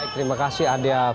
terima kasih adia fitriana